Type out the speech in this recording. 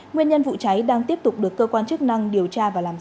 nguyên nhân vụ cháy đang tiếp tục được cơ quan chức năng điều tra và làm rõ